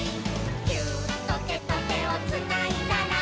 「ギューッとてとてをつないだら」